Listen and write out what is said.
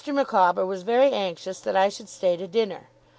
Micawber was very anxious that I should stay to dinner.